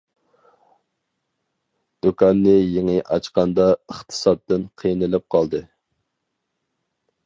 دۇكاننى يېڭى ئاچقاندا ئىقتىسادتىن قىينىلىپ قالدى.